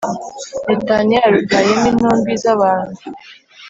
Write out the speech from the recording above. Netaniya yarutayemo intumbi z abantu